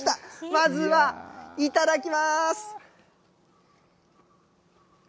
まずはいただきます。